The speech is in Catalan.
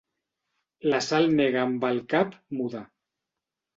La Sal nega amb el cap, muda.